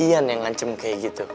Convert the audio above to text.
ian yang ngancam kayak gitu